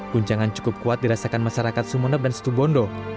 guncangan cukup kuat dirasakan masyarakat sumonep dan setubondo